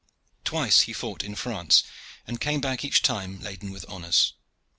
Twice he fought in France, and came back each time laden with honors.